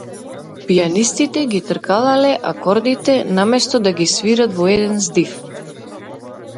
Пијанистите ги тркалалале акордите, наместо да ги свират во еден здив.